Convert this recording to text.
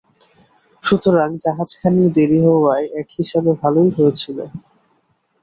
সুতরাং জাহাজখানির দেরী হওয়ায় এক হিসাবে ভালই হয়েছিল।